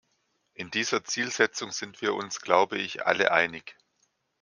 In dieser Zielsetzung sind wir uns, glaube ich, alle einig.